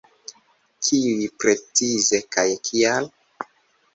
Kiuj precize kaj kial?